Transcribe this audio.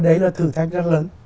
và đấy là thử thách rất lớn